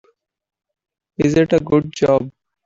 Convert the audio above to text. Is it a good job?